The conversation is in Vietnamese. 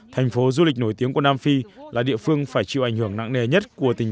thành phố du lịch nổi tiếng của nam phi là địa phương phải chịu ảnh hưởng nặng nề nhất của tỉnh